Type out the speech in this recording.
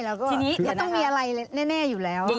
แล้วก็ไม่ต้องมีอะไรแน่อยู่แล้ว